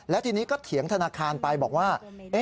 แล้วทีนี้ก็เถียงธนาคารไปบอกว่า